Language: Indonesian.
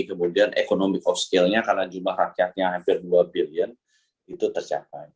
kemudian ekonomi off skill nya karena jumlah rakyatnya hampir rp dua billion itu tercapai